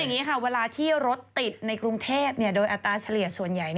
อย่างนี้ค่ะเวลาที่รถติดในกรุงเทพโดยอัตราเฉลี่ยส่วนใหญ่